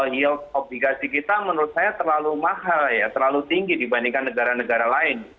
yield obligasi kita menurut saya terlalu mahal ya terlalu tinggi dibandingkan negara negara lain